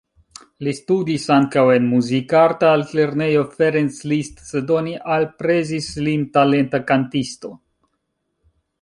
Li studis ankaŭ en Muzikarta Altlernejo Ferenc Liszt, sed oni aprezis lin talenta kantisto.